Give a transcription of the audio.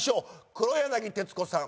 黒柳徹子さん